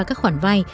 các khoản vai